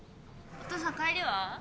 お父さん帰りは？